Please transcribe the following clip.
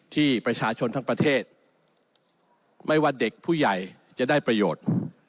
ที่ประชาชนทั้งประเทศไม่ว่าเด็กผู้ใหญ่จะได้ประโยชน์